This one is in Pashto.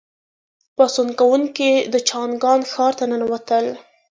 پاڅون کوونکي د چانګان ښار ته ننوتل.